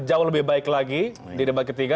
jauh lebih baik lagi di debat ketiga